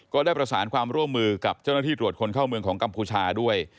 ก็ได้ประสานความร่วมมือกับเจ้าหน้าที่ตรวจคนเข้าเมืองของกัมพูชาด้วย